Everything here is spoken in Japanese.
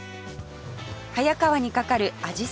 早川に架かるあじさい